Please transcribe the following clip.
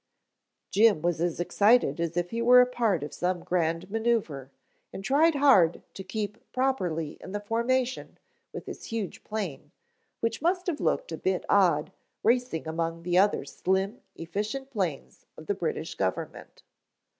Jim was as excited as if he were a part of some grand maneuver and tried hard to keep properly in the formation with his huge plane, which must have looked a bit odd racing among the other slim, efficient planes of the British Government.